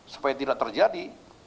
supaya tidak terjadi